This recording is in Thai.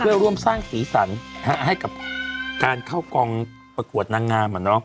เพื่อร่วมสร้างสีสันให้กับการเข้ากองประกวดนางงาม